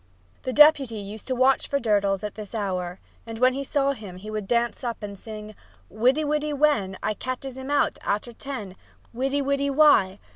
The Deputy used to watch for Durdles after this hour, and when he saw him he would dance up and sing: "Widdy, widdy, wen! I ketches him out arter ten! Widdy, widdy wy!